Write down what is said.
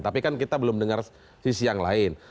tapi kan kita belum dengar sisi yang lain